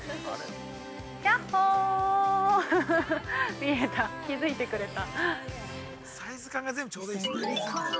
ヤッホー見えた、気づいてくれた。